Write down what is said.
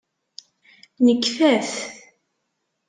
Nekfa-t.